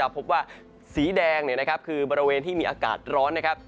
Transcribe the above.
พบว่าสีแดงเนี่ยนะครับคือบริเวณที่มีอากาศร้อนนะครับ